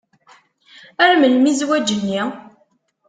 Ar melmi zzwaǧ-nni?